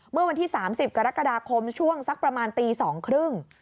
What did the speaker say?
เมื่อวันที่๓๐กรกฎาคมช่วงสักประมาณตี๒๓๐